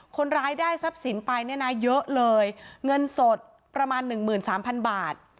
คนร้ายได้ทรัพย์สินไปเนี่ยนะเยอะเลยเงินสดประมาณ๑๓๐๐๐บาท